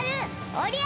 おりゃ！